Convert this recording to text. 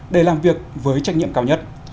để làm việc với trách nhiệm cao nhất